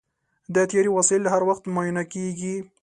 د طیارې وسایل هر وخت معاینه کېږي.